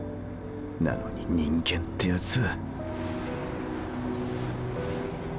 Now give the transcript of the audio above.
なのに人間ってヤツは。